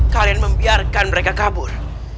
kalian membiarkan mereka kabur